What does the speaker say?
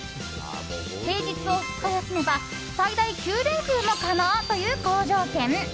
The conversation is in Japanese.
平日を２日休めば最大９連休も可能という好条件。